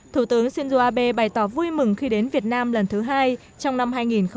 thủ tướng shinzo abe bày tỏ vui mừng khi đến việt nam lần thứ hai trong năm hai nghìn một mươi chín